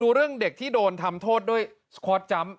ดูเรื่องเด็กที่โดนทำโทษด้วยสคอร์สจัมป